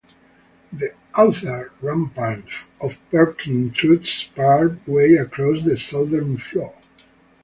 The outer rampart of Perkin intrudes part way across the southern floor.